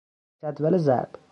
جدول ضرب